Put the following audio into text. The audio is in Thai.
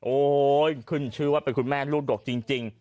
ขึ้นชื่อว่าเป็นคุณแม่ลูกดกจริง